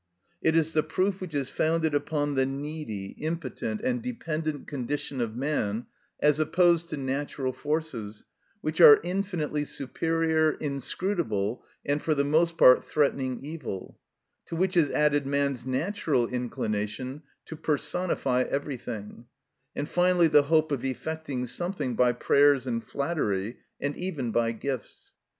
It is the proof which is founded upon the needy, impotent, and dependent condition of man as opposed to natural forces, which are infinitely superior, inscrutable, and for the most part threatening evil; to which is added man's natural inclination to personify everything, and finally the hope of effecting something by prayers and flattery, and even by gifts.